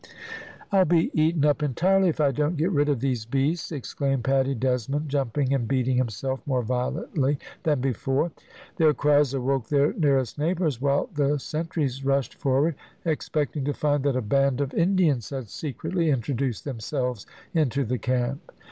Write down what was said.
"I'll be eaten up entirely if I don't get rid of these beasts," exclaimed Paddy Desmond, jumping and beating himself more violently than before. Their cries awoke their nearest neighbours, while the sentries rushed forward, expecting to find that a band of Indians had secretly introduced themselves into the camp.